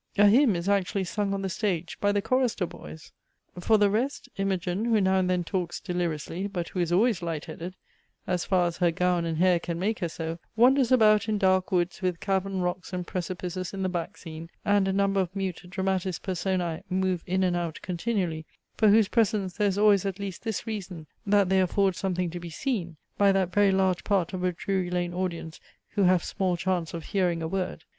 A hymn is actually sung on the stage by the chorister boys! For the rest, Imogine, who now and then talks deliriously, but who is always light headed as far as her gown and hair can make her so, wanders about in dark woods with cavern rocks and precipices in the back scene; and a number of mute dramatis personae move in and out continually, for whose presence, there is always at least this reason, that they afford something to be seen, by that very large part of a Drury Lane audience who have small chance of hearing a word.